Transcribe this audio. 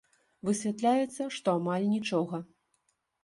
Высвятляецца, што амаль нічога.